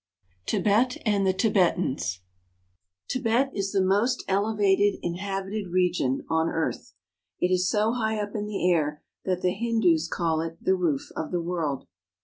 TIBET AND THE TIBETANS TIBET is the most elevated inhabited region on earth. It is so high up in the air that the Hindus call it the Roof of the World.